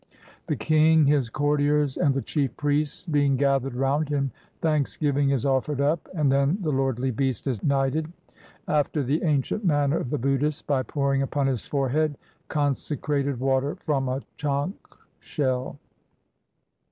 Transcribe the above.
The king, his courtiers, and the chief priests being gathered round him, thanksgiving is offered up; and then the lordly beast is knighted, after the ancient manner of the Buddhists, by pouring upon his forehead consecrated water from a chank shell.